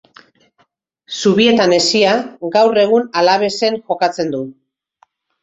Zubietan hezia, gaur egun Alavesen jokatzen du.